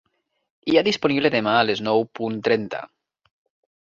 Hi ha disponible demà a les nou punt trenta.